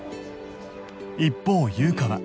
一方優香は